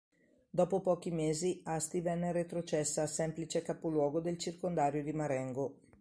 Dopo pochi mesi Asti venne retrocessa a semplice capoluogo del circondario di Marengo.